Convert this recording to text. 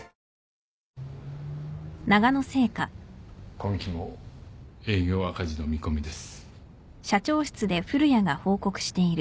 今期も営業赤字の見込みです。